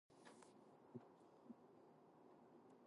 She spent the remainder of the year operating in local waters.